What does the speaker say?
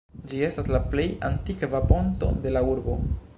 Ĝi estas la plej antikva ponto de la urbo.